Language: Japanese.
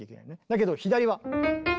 だけど左は。